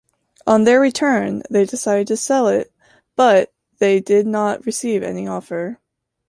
On their return, they decided to sell it, bu they did not receive any offer.